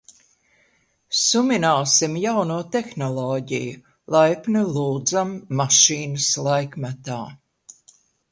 Sumināsim jauno tehnoloģiju, Laipni lūdzam Mašīnas laikmetā!